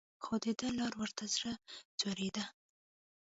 خو دده لا ورته زړه ځورېده.